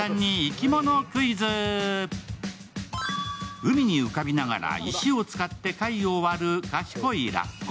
海に浮かびながら石を使って貝を割る賢いラッコ。